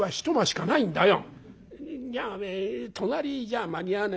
「じゃおめえ隣じゃ間に合わねえし。